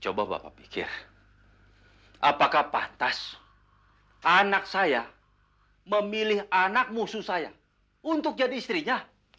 coba bapak pikir apakah pantas anak saya memilih anak musuh saya untuk jadi istrinya